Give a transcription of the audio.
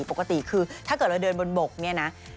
ปกติคือถ้าเกิดเราเดินบนบกเนี่ยนะ